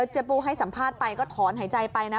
ปูให้สัมภาษณ์ไปก็ถอนหายใจไปนะ